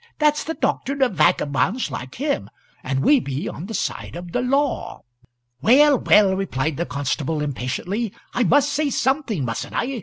That's the doctrine of vagabonds like him, and we be on the side of the law." "Well, well," replied the constable, impatiently, "I must say something, mustn't I?